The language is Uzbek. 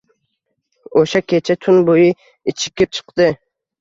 O‘sha kecha tun bo‘yi ichikib chiqdi